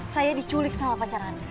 saya diculik sama pacar anda